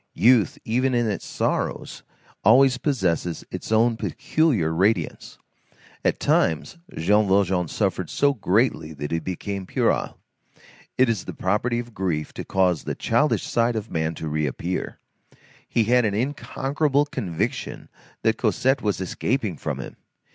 Youth, even in its sorrows, always possesses its own peculiar radiance. At times, Jean Valjean suffered so greatly that he became puerile. It is the property of grief to cause the childish side of man to reappear. He had an unconquerable conviction that Cosette was escaping from him.